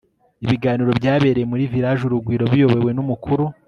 Ibiganiro byabereye muri Village urugwiro biyobowe n umukuru